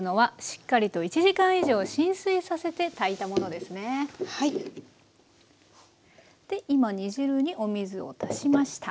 で今煮汁にお水を足しました。